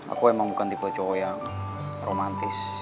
aku emang bukan tipe cowok yang romantis